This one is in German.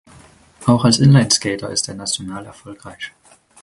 Auch als Inlineskater ist er national erfolgreich.